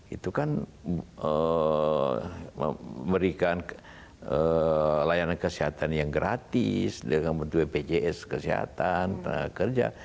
itu kan memberikan layanan kesehatan yang gratis dengan bentuk bpjs kesehatan tenaga kerja